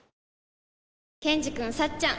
ケンジくんさっちゃん